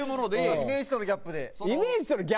イメージとのギャップで。